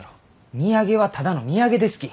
土産はただの土産ですき！